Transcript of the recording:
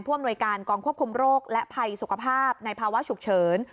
อำนวยการกองควบคุมโรคและภัยสุขภาพในภาวะฉุกเฉิน